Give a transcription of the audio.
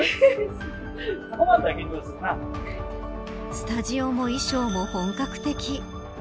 スタジオも衣装も本格的。